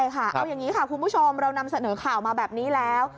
เอาอย่างนี้ค่ะคุณผู้ชมเรานำเสนอข่าวมาแบบนี้แล้ว